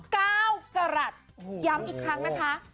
ก้าวกระหลัดย้ำอีกครั้งนะคะ